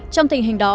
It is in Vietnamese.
trong tình hình đó